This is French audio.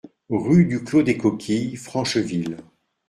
Rue du Clos des Coquilles, Francheville